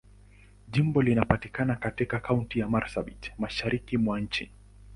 Jimbo linapatikana katika Kaunti ya Marsabit, Mashariki mwa nchi.